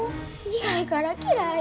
苦いから嫌い。